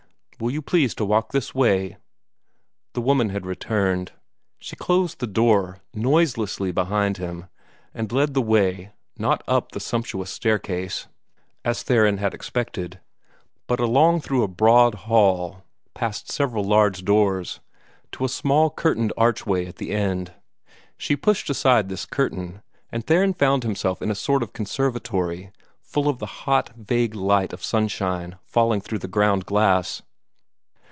"Will you please to walk this way?" The woman had returned. She closed the door noiselessly behind him, and led the way, not up the sumptuous staircase, as Theron had expected, but along through the broad hall, past several large doors, to a small curtained archway at the end. She pushed aside this curtain, and Theron found himself in a sort of conservatory, full of the hot, vague light of sunshine falling through ground glass.